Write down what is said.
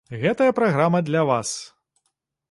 Гэтая праграма для вас!